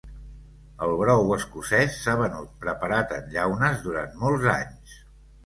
El brou escocès s'ha venut preparat en llaunes durant molts anys.